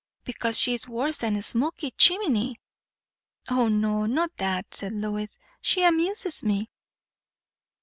Because she is worse than a smoky chimney!" "O no, not that," said Lois. "She amuses me."